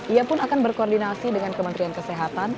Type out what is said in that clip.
ia pun akan berkoordinasi dengan kementerian kesehatan